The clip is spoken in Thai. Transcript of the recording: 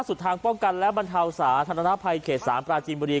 สุดทางป้องกันและบรรทาวสาธารณภัยเขตสามปราจีมบรี